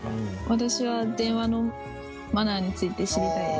私は電話のマナーについて知りたいです。